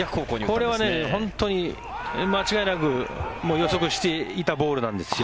これは本当に間違いなく予測していたボールなんですよ。